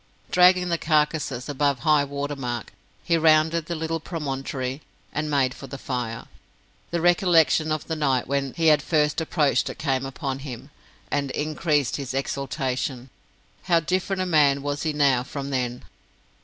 Dragging the carcases above high water mark, he rounded the little promontory and made for the fire. The recollection of the night when he had first approached it came upon him, and increased his exultation. How different a man was he now from then!